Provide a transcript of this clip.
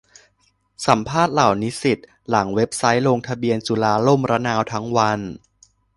สัมภาษณ์เหล่านิสิต หลังเว็บไซต์ลงทะเบียนจุฬาล่มระนาวทั้งวัน